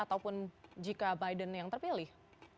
dan jika biden yang terpilih